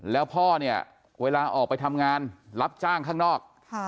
แล้วพ่อเนี่ยเวลาออกไปทำงานรับจ้างข้างนอก